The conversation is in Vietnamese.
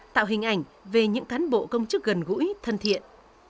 tạo hình ảnh về những cán bộ công chức gần gũi thân thiện